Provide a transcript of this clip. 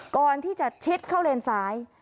ก่อนที่จะชิดเข้าเลนซ้าย